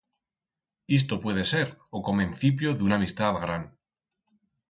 Isto puede ser o comencipio d'una amistat gran.